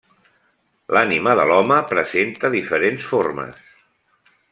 L'ànima de l'home presenta diferents formes.